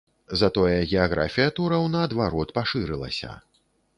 Затое геаграфія тураў наадварот пашырылася.